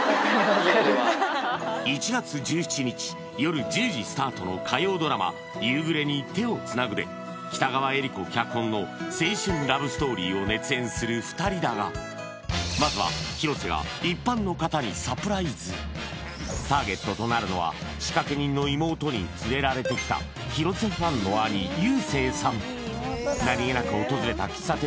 家では１月１７日よる１０時スタートの火曜ドラマ「夕暮れに、手をつなぐ」で北川悦吏子脚本の青春ラブストーリーを熱演する２人だがまずは広瀬が一般の方にサプライズターゲットとなるのは仕掛人の妹に連れられてきた広瀬ファンの兄優征さん